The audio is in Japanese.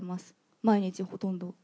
毎日、ほとんど。